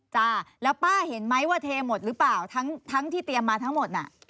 จ้าแล้วป้าเห็นไหมว่าเทหมดหรือเปล่าทั้งที่เตรียมมาทั้งหมดน่ะ